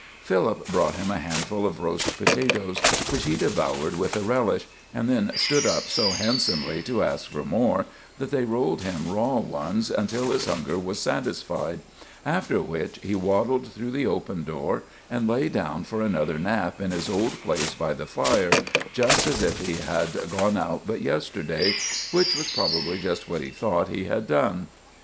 Philip brought him a handful of roast potatoes, which he devoured with a relish, and then stood up so handsomely to ask for more that they rolled him raw ones until his hunger was satisfied, after which he waddled through the open door, and lay down for another nap in his old place by the fire, just as if he had gone out but yesterday, which was probably just what he thought he had done.